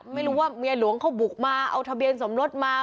ไม่รู้ว่าเมียหลวงเขาบุกมาเอาทะเบียนสมรสมา